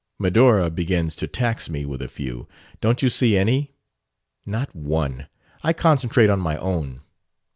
"Medora begins to tax me with a few. Don't you see any?" "Not one. I concentrate on my own.